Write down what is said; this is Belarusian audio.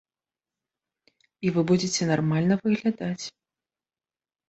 І вы будзеце нармальна выглядаць.